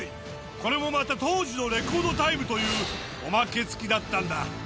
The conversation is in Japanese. これもまた当時のレコードタイムというおまけ付きだったんだ。